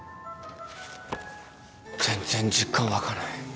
全然実感湧かない。